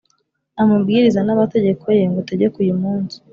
amabwiriza n’amategeko ye ngutegeka uyu munsi,